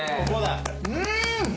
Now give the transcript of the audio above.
うん！